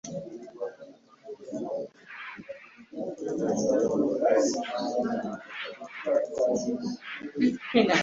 Bannaffe babadde bagamba tusaaga.